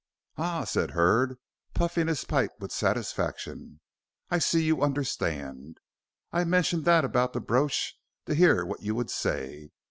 "Ah," said Hurd, puffing his pipe with satisfaction, "I see you understand. I mentioned that about the brooch to hear what you would say.